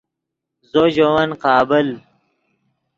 زو ژے ون قابل